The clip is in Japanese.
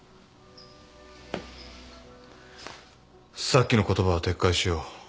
さっきの言葉は撤回しよう。